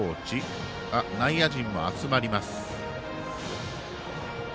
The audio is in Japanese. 内野陣も集まります。